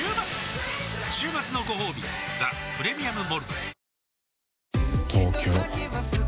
週末のごほうび「ザ・プレミアム・モルツ」